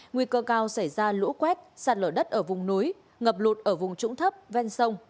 nguy cơ cao xảy ra lũ quét sạt lở đất ở vùng núi ngập lụt ở vùng trũng thấp ven sông